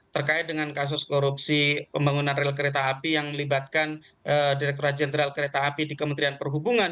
terkait dengan kasus korupsi pembangunan rel kereta api yang melibatkan direkturat jenderal kereta api di kementerian perhubungan